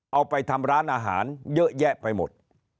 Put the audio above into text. เอาไปทำร้านอาหารเยอะแยะไปหมด